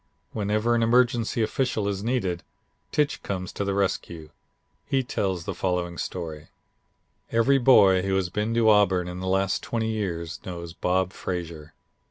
Whenever an emergency official is needed, Tich comes to the rescue. He tells the following story: "Every boy who has been to Auburn in the last twenty years knows Bob Frazier.